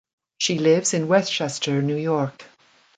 She lives in Westchester, New York.